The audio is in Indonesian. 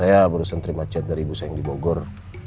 ya mungkin rencana tadi enggak kenal